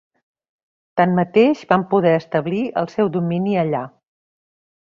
Tanmateix, van poder establir el seu domini allà.